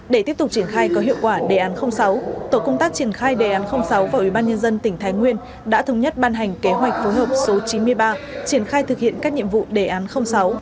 để tiếp tục triển khai có hiệu quả đề án sáu tổ công tác triển khai đề án sáu và ủy ban nhân dân tỉnh thái nguyên đã thống nhất ban hành kế hoạch phối hợp số chín mươi ba triển khai thực hiện các nhiệm vụ đề án sáu